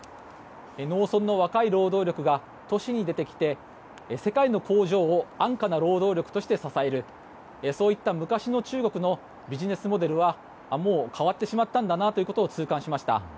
農村の若い労働力が都市に出てきて世界の工場を安価な労働力として支えるそういった昔の中国のビジネスモデルはもう変わってしまったんだなということを痛感しました。